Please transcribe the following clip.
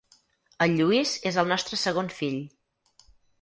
El Lluís és el nostre segon fill.